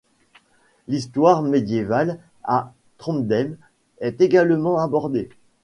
L'histoire médiévale de Trondheim est également abordée.